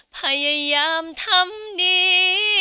พยายามทำดี